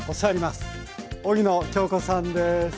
荻野恭子さんです。